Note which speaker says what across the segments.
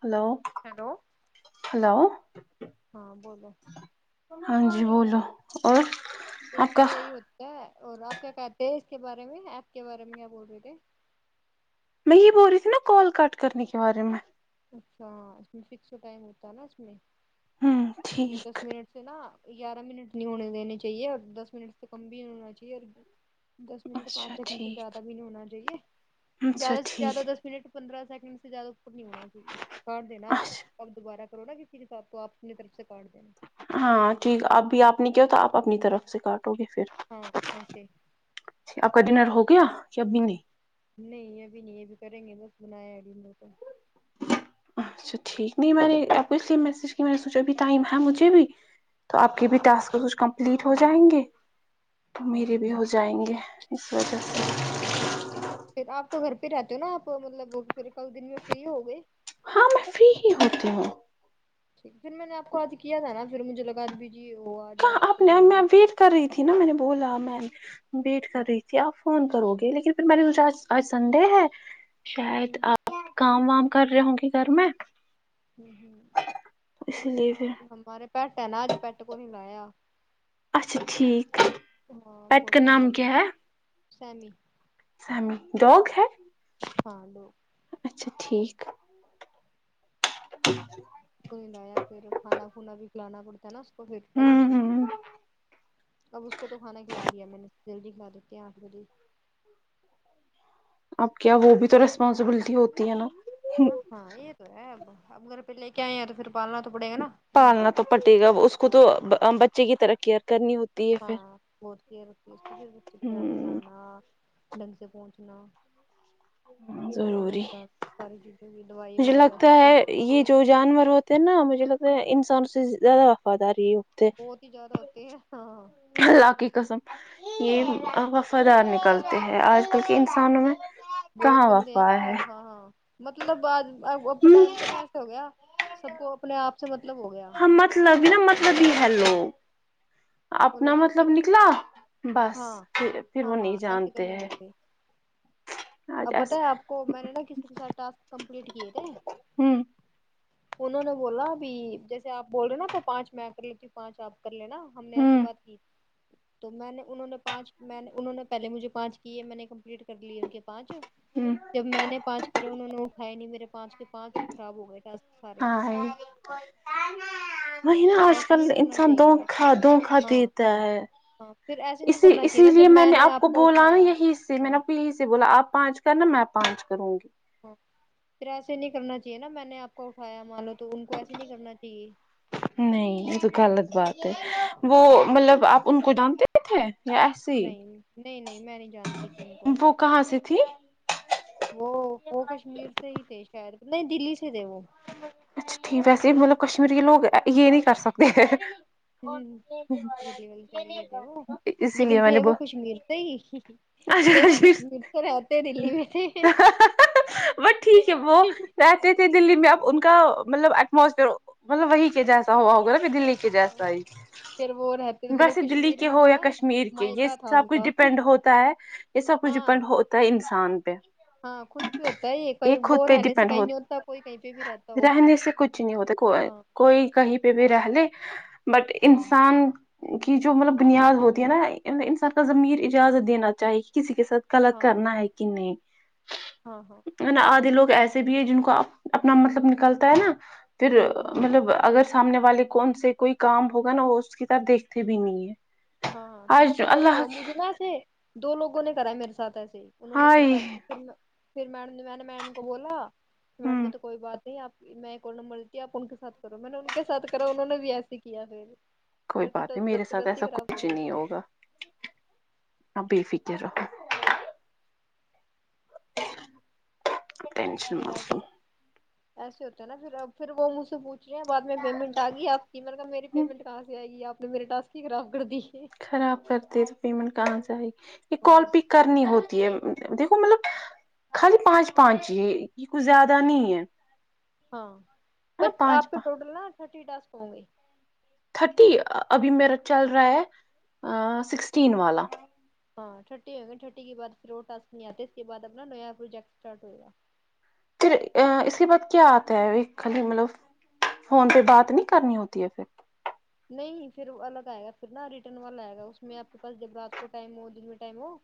Speaker 1: Hello
Speaker 2: hello
Speaker 1: hello
Speaker 2: ہاں بولو
Speaker 1: ہاں جی بولو اور
Speaker 2: تو اس
Speaker 1: آپ کا
Speaker 2: میں یہی ہوتا ہے اور آپ کیا کہتے ہیں اس کے بارے میں ایپ کے بارے میں کیا بول رہے تھے
Speaker 1: میں یہ بول رہی تھی نا کال کٹ کرنے کے بارے میں
Speaker 2: اچھا اس میں فکس ٹائم ہوتا ہے نا اس میں
Speaker 1: ہوں
Speaker 2: اس میں
Speaker 1: ٹھیک
Speaker 2: دس منٹ سے نا گیارہ منٹ نہیں ہونے دینے چاہیے اور دس منٹ سے کم بھی ہونا چاہیے اور دس منٹ پانچ
Speaker 1: اچھا
Speaker 2: سیکنڈ سے
Speaker 1: ٹھیک
Speaker 2: زیادہ بھی نہیں ہونا چاہیے
Speaker 1: اچھا
Speaker 2: زیادہ سے
Speaker 1: ٹھیک
Speaker 2: زیادہ دس منٹ پندرہ سیکنڈ سے زیادہ ج کاٹ دینا
Speaker 1: اچھا
Speaker 2: آپ آپ دوبارہ کرو نا کہ پھر آپ اپنی طرف سے کاٹ دینا
Speaker 1: ہاں ٹھیک اب بھی آپ نے کیا ہو تو آپ اپنی طرف سے کاٹو گے پھر
Speaker 2: ہاں ایسے
Speaker 1: آپ کا ڈنر ہو گیا یا ابھی نہیں
Speaker 2: نہیں ابھی نہیں ابھی کریں گے بس بنایا ابھی ان کو
Speaker 1: اچھا ٹھیک نہیں میں نے آپ کو اس لیے میسج کیا میں نے سوچا ابھی ٹائم ہے مجھے بھی تو آپ کے بھی ٹاسک کچھ
Speaker 2: اچھا
Speaker 1: کمپلیٹ ہو
Speaker 2: ہاں
Speaker 1: جائیں گے میرے بھی
Speaker 2: ہاں
Speaker 1: ہو جائیں گے اس وجہ سے
Speaker 2: پھر آپ تو گھر پہ رہتے ہو نا آپ مطلب پھر کئی دن میں فری ہو گئے
Speaker 1: ہاں میں فری ہی ہوتی ہوں
Speaker 2: ھیک پھر میں نے آپ کو آج کیا تھا نا پھر مجھے لگا د بھیجی وہ آج آپ
Speaker 1: کہاں
Speaker 2: پورے
Speaker 1: نے
Speaker 2: دن
Speaker 1: میں ویٹ کر رہی تھی نا میں نے بولا میں ویٹ کر
Speaker 2: اچھا
Speaker 1: رہی تھی آپ فون کرو گے لیکن پھر میں نے سونچا آج سنڈے ہے
Speaker 2: ہوں
Speaker 1: شاید آپ کام وام کر رہے ہوں گے گھر میں
Speaker 2: ہ ہ
Speaker 1: اسی
Speaker 2: یہ
Speaker 1: لیے
Speaker 2: نہ
Speaker 1: پھر
Speaker 2: ہمارے پیٹ ہے نا اج پیٹ کو نہیں لایا
Speaker 1: اچھا ٹھیک
Speaker 2: ہاں
Speaker 1: پت
Speaker 2: بہت
Speaker 1: کے
Speaker 2: ٹائم
Speaker 1: نام
Speaker 2: لگ
Speaker 1: کیا
Speaker 2: جاتا
Speaker 1: ہے
Speaker 2: سیمی
Speaker 1: سام ڈوگ ہے
Speaker 2: ہاں لو
Speaker 1: اچھا ٹھیک [inaudible]
Speaker 2: کو لایا پھر کانا پھونا بھی کلانا ک تھا نا اس کو پھر ٹائم
Speaker 1: ہوں
Speaker 2: سے
Speaker 1: ہوں
Speaker 2: اب اس کو تو کھانا کھلا دیا میں نے دل ج ب لیتے ہیں آٹھ بجے
Speaker 1: اب کیا وہ بھی تو ریسپانسبلٹی ہوتی ہے نا
Speaker 2: ہ ہاں یہ تو ہے ا اب گھر پہ لے کے آئےیں ہیں تو پھر پالنا تو پڑے گا نا ڈھنگ سے
Speaker 1: پالنا تو پٹے گا اس کو تو بچے کی ترقی کرنی ہوتی ہے
Speaker 2: ہاں
Speaker 1: پھر
Speaker 2: بہت کیئر بتی ہے اس کی پھر بچے کی طرح
Speaker 1: ہوں
Speaker 2: نہلانا ڈھنگ سے پہنچنا کھانا
Speaker 1: ضروری
Speaker 2: کان ساری چیزوں کی دوائی
Speaker 1: مجھے
Speaker 2: وغیرہ
Speaker 1: لگتا
Speaker 2: سب
Speaker 1: ہے
Speaker 2: کچھ
Speaker 1: یہ جو جانور ہوتے ہیں نا مجھے لگتا ہے انسان سے زیادہ وفاداری ہے
Speaker 2: بہت ہی زیادہ ہوتے ہیں ہاںاں
Speaker 1: اللہ کی قسم یہ وفادار نکلتے ہیں آج کل کے انسانوں میں
Speaker 2: بہت
Speaker 1: کہاں
Speaker 2: گند ہیں
Speaker 1: وفا ہے
Speaker 2: انسان ہاں ہاں مطلب آج اب ٹائم پہ نا ایسے ہو گیا سب کو اپنے آپ سے مطلب ہو گیا
Speaker 1: ہاں مطلب ہی نا مطلب ہی ہے
Speaker 2: ہاں
Speaker 1: لوگ
Speaker 2: وہ
Speaker 1: اپنا
Speaker 2: لوگ
Speaker 1: مطلب
Speaker 2: کسی
Speaker 1: نکلا بس
Speaker 2: ہاں
Speaker 1: پھر پھر
Speaker 2: ہاں
Speaker 1: وہ نہیں
Speaker 2: ہاں ایسے
Speaker 1: جانتے
Speaker 2: کرنے
Speaker 1: ہیں
Speaker 2: لگے
Speaker 1: آج
Speaker 2: اب
Speaker 1: ایس
Speaker 2: پتہ ہے آپ کو میں نے نا کتنے ک سار ٹسک کمپلیٹ کیے تھے
Speaker 1: ہوں
Speaker 2: انہوں نے بولا اب جیسے آپ بول رہے نا تو پانچ میں کر لیتی ہوں پانچ آپ کر لینا ہم نے ایسا
Speaker 1: ہوں
Speaker 2: [inaudible] تو میں نے انہوں نے پانچ میں نے انہوں نے پہلے مجھے پانچ کی ہے میں نے کمپلیٹ کر لی ان کے پانچ
Speaker 1: ہوں
Speaker 2: جب میں نے پانچ کرے انہوں نے اٹھائے نہیں میرے پانچ کے پانچ خراب ہو گئے تھا سارے
Speaker 1: وہ ن آج
Speaker 2: ایسے
Speaker 1: کل
Speaker 2: نہیں کرنا
Speaker 1: انسان
Speaker 2: چاہیے نا
Speaker 1: دوکھا دھوکھا
Speaker 2: ہاں
Speaker 1: دیتا ہے
Speaker 2: ہاں پھر ایسے نہیں
Speaker 1: اسی
Speaker 2: کرنا چاہیے
Speaker 1: اسی
Speaker 2: نا جب
Speaker 1: لیے میں نے آپ کو بولا نا
Speaker 2: اٹھایا
Speaker 1: یہی سے میں
Speaker 2: ہاں
Speaker 1: نے آپ کو یہیں سے بولا آپ پانچ س نا میں پانچ کروں گی
Speaker 2: پھر ایسے نہیں کرنا چاہیے نا میں نے آپ کو اٹھایا مانو تو ان کو ایسے نہیں کرنا چاہیے
Speaker 1: نہیں یہ تو غلط بات ہے وہ
Speaker 2: ہاں
Speaker 1: مطلب آپ ان کو جانتے تھے یا ایسے ہی
Speaker 2: نہیں نہیں نہیں میں نہیں جانتی تھی ان کو
Speaker 1: وہ کہاں سے تھی
Speaker 2: وہ وہ کشمیر سے ہی تھے شہر نہیں دلی سے تھے وہ
Speaker 1: اچھا ٹھیک ویسے مطلب کشمییر کے لوگ یہ نہیں کر سکتے
Speaker 2: دلی والی سائڈ کے تھے وہ
Speaker 1: اسی لیے
Speaker 2: لیکن
Speaker 1: میں نے
Speaker 2: تھے
Speaker 1: ب
Speaker 2: وہ کشمیر سے ہی تھے وہ
Speaker 1: اچھاش بس
Speaker 2: کشمیر سے رہتے دلی میں تھے
Speaker 1: ٹھیک ہے بو رہتے تھے دللیی میں اب ان کا مطلب ایٹموسفیئرطلب وہی کے جیسا ہوا ہوگا نا دلی کے جیسائی
Speaker 2: پھر وہ رہتے مطلب
Speaker 1: ویسے دلی
Speaker 2: کشمیر
Speaker 1: کے
Speaker 2: میں ان
Speaker 1: ہو یا
Speaker 2: کا
Speaker 1: کشمیر کے یہ
Speaker 2: مائکا تھا
Speaker 1: سب
Speaker 2: ان
Speaker 1: کچھ
Speaker 2: کا
Speaker 1: ڈیپینڈ ہوتا ہے یہ سب کچھ
Speaker 2: ہاں
Speaker 1: ڈیپینڈ ہوتا ہے انسان پہ
Speaker 2: ہاں خود بھیہ ہوتا ہے یہ کہیں
Speaker 1: خود
Speaker 2: وہ
Speaker 1: پہ
Speaker 2: رہنے سے
Speaker 1: ڈیپینڈ
Speaker 2: کہیں
Speaker 1: ہو
Speaker 2: نہیں ہوتا کوئی کہیں پہ بھی رہتا ہو
Speaker 1: رہنے سے کچھ نہیں ہوتا کو
Speaker 2: ہاں
Speaker 1: کوئی کہیں پہ بھی رہ لے بٹ
Speaker 2: ہاں
Speaker 1: انسان کی جو مطلب بنیاد ہوتی ہے نا انسان کا ضمیر اجازت دینا چاہیے کسی کے ساتھ غلط
Speaker 2: ہاں
Speaker 1: کرنا ہے کہ نہیں
Speaker 2: ہاں ہاں
Speaker 1: نا آدھے لوگ ایسے بھی ہے جن کو اپنا مطلب نکالتا ہے نا پھر
Speaker 2: ہاں
Speaker 1: مطلب اگر سامنے والے کون سے کوئی کام ہوگا نا وہ اس کی طرف دیکھتے بھی نہیں ہے
Speaker 2: ہاںاں تو
Speaker 1: آج
Speaker 2: مجھے یہی
Speaker 1: اللہ
Speaker 2: ہوا مجھے نا ایسے دو لوگوں نے کراائے میرے ساتھ ایسے ہی انہوں نے
Speaker 1: ہائے
Speaker 2: اپنےھر پھر میم نے نے میم کو بولا میڈم
Speaker 1: ہوں
Speaker 2: تو کوئی بات نہیں آپ میں کو نم مرتی آپ ان کے سات کرو میں نے ان کے ساتھ کرا انہوں نے بھی ایسے کیا پھر
Speaker 1: کوئی
Speaker 2: مرے تو تو
Speaker 1: بات نہیں
Speaker 2: دس
Speaker 1: میرے
Speaker 2: کے
Speaker 1: ساتھ
Speaker 2: دس ہی
Speaker 1: ایسا
Speaker 2: خراب ہو
Speaker 1: کچھ
Speaker 2: گئی
Speaker 1: نہیں ہوگا آ بے فکر ہو ٹینشن
Speaker 2: پھر ایسے
Speaker 1: مت
Speaker 2: ہی ایسے ہوتے ہیں نا پھر اب پھر وہ مجھ سے پوچھ رہے ہیں بعد میں پیمنٹ آ گئی آپ کہ مطلب کہب میری
Speaker 1: لو
Speaker 2: پیمنٹ کہاں سے آئے گی آپ نے میرے ٹسک ہی خراب کر دی ہے
Speaker 1: خراب کرتے تو پے پیمنٹ کہ سے آئےگی یے کال
Speaker 2: ہاں
Speaker 1: پک کرنی ہوتی ہے دیکھو مطلب خالی پانچ پانچ یہ یہ کچھ زیادہ نہیں ہے
Speaker 2: ہاں
Speaker 1: نا
Speaker 2: آپ
Speaker 1: پانچ
Speaker 2: کے
Speaker 1: پانچ
Speaker 2: ٹوٹل نا تھرٹی ڈاسک ہوں گے
Speaker 1: تھرٹی ابھی میرا چل رہا ہے سکسٹین والا
Speaker 2: ہاں ٹھٹی ہو گی ٹھٹی کےباد پھر وہ ٹسک نہیں آتے اس کے بعد اپنا نیا پروجیکٹ اسٹارٹ ہو گا
Speaker 1: پھر اس کے بعد کیا آتا ہے خالی مطلب فون پہ بات نہیں کرنی ہوتی ہے پھر
Speaker 2: نہیں پھر الگ آئے گا پھر نا ریٹرن والا آئے گا اس میں آپ کے پاس جب رات کو ٹائم ہو دن میں ٹائم ہو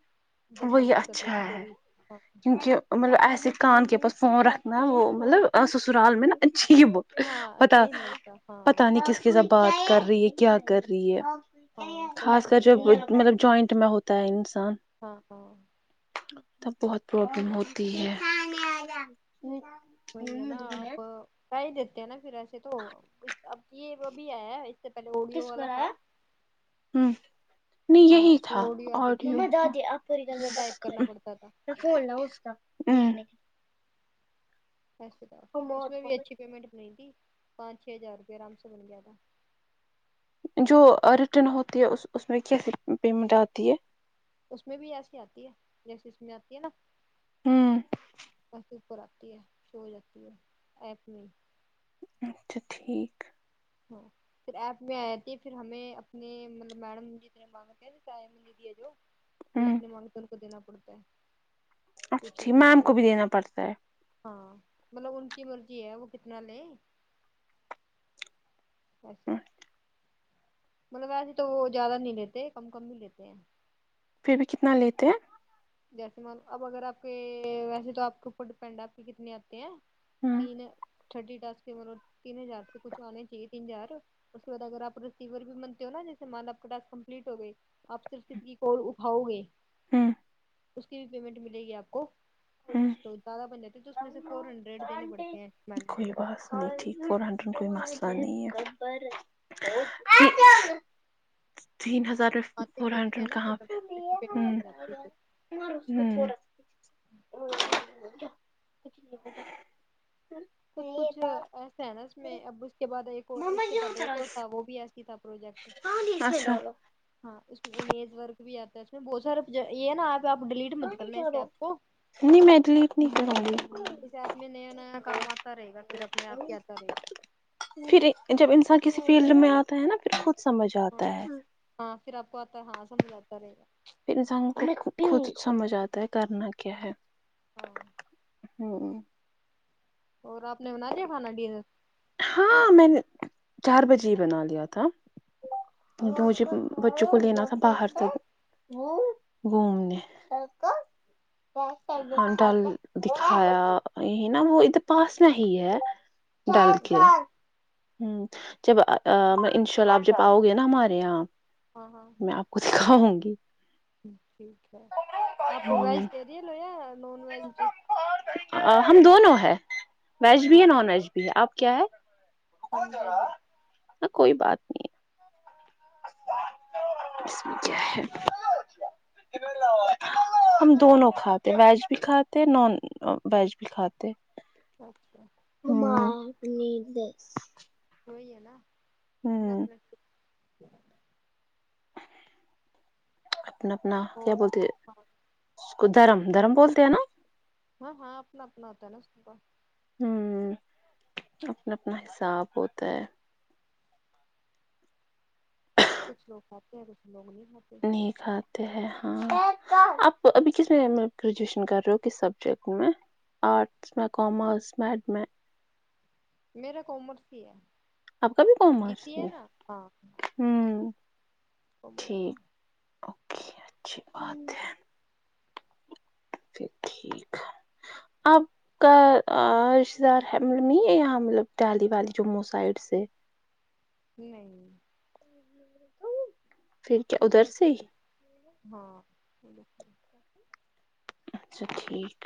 Speaker 2: جب
Speaker 1: وہ یہ
Speaker 2: مرضی کر لو
Speaker 1: اچھا
Speaker 2: اس کو
Speaker 1: ہے
Speaker 2: بھی ہاں
Speaker 1: کیونکہ مطلب آس کان کے پس فون رکھنا وہ مطلب س رال میں نا چھی ب وہ
Speaker 2: ہاں
Speaker 1: پتا
Speaker 2: صحیح نہیں لگتا ہاں
Speaker 1: پتاہ نہیں کس کس بات کر رہی ہے کیا کر رہی
Speaker 2: ہاں
Speaker 1: ہے
Speaker 2: تو
Speaker 1: خاص
Speaker 2: اسی
Speaker 1: کر جب
Speaker 2: کرتے ہیں
Speaker 1: مطلب جوائنٹ میں ہوتا ہے انسان
Speaker 2: ہاں ہاں
Speaker 1: ت بہت پرابلم ہوتی ہے
Speaker 2: وہی ہے نا آپ کہ ہی دیتے ہیں نا پھر ایسے تو اب یہ ابھی آیا سے پہلے آڈیو والا تھا
Speaker 1: ہ نہیں
Speaker 2: ہاں
Speaker 1: یہی
Speaker 2: اس میں
Speaker 1: تھا
Speaker 2: آڈیو آتی تھی
Speaker 1: اوری آپ فول
Speaker 2: اس میں ٹائپ کرنا پڑتا تھا
Speaker 1: لا اس کا ہ
Speaker 2: پ اس میں بھی اچھی پیمنٹ نہیں تھی پانچ چھ ہزار روپئے آرام سے بن گیا تھا
Speaker 1: جو ریٹرن ہوتی ہے اس اس میں کیسی پیمنٹ آتی ہے
Speaker 2: اس میں بھی ایسی آتی ہے جیسی اس میں آتی ہے نا
Speaker 1: ہوں
Speaker 2: وسے اوپر آتی ہے چو جاتی ہے ایپ نہیں
Speaker 1: اچھا ٹھیک
Speaker 2: ہاں پھر ایپ میں آئے تھے پھر ہمیں اپنے مطلب میڈم ا مانگتے دیا جو وہ
Speaker 1: ہوں
Speaker 2: جتنے مانگتے ہیں ان کو دینا پڑتا ہے
Speaker 1: اچھا
Speaker 2: کچھ
Speaker 1: ٹھیک
Speaker 2: اس میں
Speaker 1: میم
Speaker 2: سے
Speaker 1: کو بھی دینا پڑتا ہے
Speaker 2: ہاں مطلب ان کی مرضی ہے وہ کتنا لیں وسے مطلب ویسے تو وہ زیادہ نہیں لیتے کم کم ہی لیتے ہیں
Speaker 1: پھر بھی کتنا لیتے ہیں
Speaker 2: جیسے م اب اگر آپ کے ویسے تو آپ کے اوپر ڈیپینڈ ہے آپ کے کتنے آتے ہیں
Speaker 1: ہوں
Speaker 2: تین تھٹی مل تین ہزار سے کچھ آنے چاہیے تین ہزار اس کے بعد اگر آپ رسیور بھی بنتے ہو نا جیے م آپ کا اس کمپلیٹ ہو گئی آپ سر ستی کوول اھاؤ گے
Speaker 1: ہوں [unintelligible]
Speaker 2: اس کی بھی پیمنٹ ملے گی آپ کو
Speaker 1: ہوں
Speaker 2: تو زیادہ بن جتے تو اس میں سے فور ہنڈریڈ دینے پڑتے ہیں مین کو
Speaker 1: کوئی بات ٹھیک فور ہنڈریڈ کوئی مسئلہ نہیں ہے تین ہزار روپ
Speaker 2: آتے ہیں بھی اچھے ہیں نا پھر اب اچھی پیمنٹ بن جاتی ہے پھر
Speaker 1: تھا نہیں
Speaker 2: کچھ کچھ ایسے ہے نا اس میں اب اس کے بعد ایک اور اس سے پہلے ایک اور تھا وہ بھی ایسے تھا پروجیکٹ
Speaker 1: اچھا
Speaker 2: ہاں اس میں امیز ورک بھی آتا ہے اس میں بہت سارا یہ ہے نا ایپ آپ ڈیلیٹ مت کرنا اس ایپ کو
Speaker 1: نہیں میٹلیتنی
Speaker 2: ہ اس آپ میں نیا نیا کام آتا رہے گا پھر اپنے آپ کے آتا رہے گا
Speaker 1: پھر جب انسان کسی فیلڈ میں آتا ہے نا پھر خود سمجھ
Speaker 2: گا ہاں
Speaker 1: آتا ہے
Speaker 2: ہاں پھر آپ کو آتا ہاں سمجھ آتا رہے گا
Speaker 1: پھر انسان کو ک سمجھ آتا ہے کرنا کیا ہے
Speaker 2: ہاں
Speaker 1: ہوں
Speaker 2: اور آپ نے بنا لیا کھانا ڈنر
Speaker 1: ہاں میں نے چار بجے ہی بنا لیا تھا کیک
Speaker 2: اچھا
Speaker 1: مجھے بچوں کو لینا تھا باہر
Speaker 2: اچھا
Speaker 1: سےک گھومنے کانٹ دکھایا یہ نا وہ اھر پاس میں ہی ہے ڈال کےل
Speaker 2: اچھا
Speaker 1: ہ
Speaker 2: اچھا
Speaker 1: جب ان شاء اللہ آپ جب آؤ گے نا ہمارے یہاں
Speaker 2: ہاں ہاں
Speaker 1: میں آپ کو دکھاؤں گی
Speaker 2: ٹھیک ہے آپ
Speaker 1: ہوں
Speaker 2: ویجٹیرین ہو یایا نان ویج
Speaker 1: ہم دونوں ہے ویج بھی
Speaker 2: ٹھیک
Speaker 1: نان ویج بھی ہے آپ کیا ہے
Speaker 2: ویج ہیں
Speaker 1: کوئی بات نہیں میں کیا ہے ہم دونوں کھاتے ویج بھی کھاتے ہیں نان ویج بھی کھاتے
Speaker 2: اچھا
Speaker 1: [inaudible]
Speaker 2: وہی ہے نا اتنا اپ
Speaker 1: ہوں
Speaker 2: [inaudible]
Speaker 1: اپنا اپنا کیا
Speaker 2: اور
Speaker 1: بولتے ہیں اس کو دھرم دھرم بولتے ہیں نا
Speaker 2: ہاں ہاں اپنا اپنا ہوتا ہے نا س کا
Speaker 1: ہوں اپنا اپنا حساب ہوتا ہے
Speaker 2: کچھ لوگ کھاتے ہیں کچھ لوگ نہیں کاتے
Speaker 1: ک آتے ہیں ہاں آپ ابھی کس میں گریجویشن کر رہے ہو کس سبجیکٹ میں آرٹس میں کامرس میںڈ میں
Speaker 2: میرا کومرسی ہے
Speaker 1: آپ کابھی کوم
Speaker 2: بی
Speaker 1: مار
Speaker 2: سی
Speaker 1: ہے
Speaker 2: نا ہاں
Speaker 1: ہوں
Speaker 2: کامرس
Speaker 1: ٹھیک اوکے اچھی بات ہے پھر ٹھیک ہے آپ کا رشتے دار ہے مل نہیں ہے یہاں مطلب دہلی والی جموں سائڈ سے
Speaker 2: نہیں
Speaker 1: پھر کیا ادھر
Speaker 2: سر
Speaker 1: سے ہی
Speaker 2: ہاں [inaudible]
Speaker 1: اچھا ٹھیک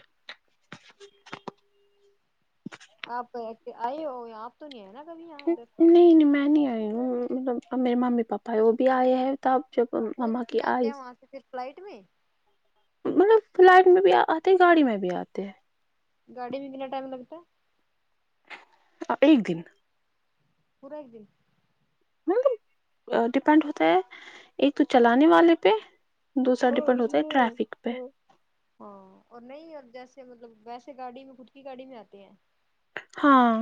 Speaker 2: آپ آئے ہو آپ تو نہیں آئے نا کبھی یہاں ادھر
Speaker 1: نہیں نہیں میں نہیں آئی ہوں مطلب اب میرے ممی پاپا ہے وہ بھی آئے ہیں تب جب
Speaker 2: وہ
Speaker 1: مما
Speaker 2: کس
Speaker 1: کی
Speaker 2: لیے آتے ہیں
Speaker 1: آئس
Speaker 2: وہاں سے پھر فلائٹ میں
Speaker 1: مطلب فلائٹ میں بھی آتے ہیں گاڑی میں بھی آتے ہیں
Speaker 2: گاڑی میں کتنا ٹائم لگتا ہے
Speaker 1: ایک دن
Speaker 2: پورا ایک دن
Speaker 1: ملب ڈیپینڈ ہوتا ہے ایک تو چلانے والے پہ دوسرا
Speaker 2: ہاں ہاں
Speaker 1: ڈیپینڈ ہوتا ہے ٹریفک پہ
Speaker 2: ہاں اور نہیں اور جیسے مطلب ویسے گاڑی میں خود کی گاڑی میں آتے ہیں
Speaker 1: ہاں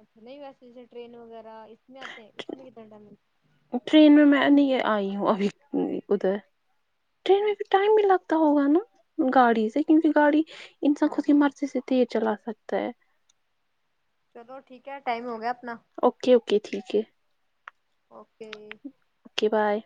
Speaker 2: اچھا نہیں ویسے جیسے ٹرین وغیرہ اس میں آتے ہیں اس میں کتنا ٹائم
Speaker 1: ٹرین میں میں نہیں آئی ہوں ابھی ادھر ٹرین میں
Speaker 2: ہے؟
Speaker 1: پھر ٹائم بھی لگتا ہوگا نا گاڑی سے کیونکہ گاڑی انسان
Speaker 2: ہاں
Speaker 1: خود کی
Speaker 2: ہاں
Speaker 1: مرضی سے تیز چلا سکتا ہے
Speaker 2: چلو ٹھیک ہے ٹم ہو گیا اپنا
Speaker 1: اوکے اوکے ٹھیک ہے
Speaker 2: اوکے
Speaker 1: اوکے بائے